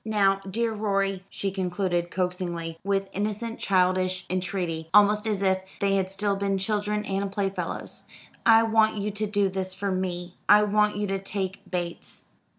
Now, dear Rorie," she concluded coaxingly, with innocent childish entreaty, almost as if they had still been children and playfellows, "I want you to do this for me I want you to take Bates."